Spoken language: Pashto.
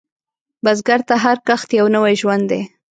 بزګر ته هر کښت یو نوی ژوند دی